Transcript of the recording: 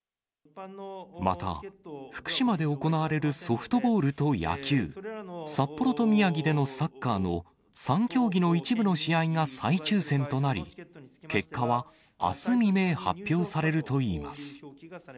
また、福島で行われるソフトボールと野球、札幌と宮城でのサッカーの３競技の一部の試合が再抽せんとなり、結果はあす未明発表されるといいます。